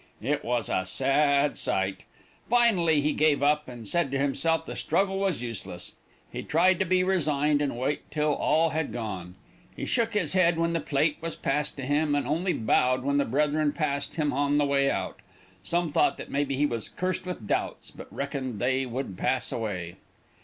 It was a sad sight. Finally he gave it up, and said to himself the struggle was useless. He tried to be resigned and wait till all had gone. He shook his head when the plate was passed to him, and only bowed when the brethren passed him on the way out. Some thought that maybe he was cursed with doubts, but reckoned that they would pass away.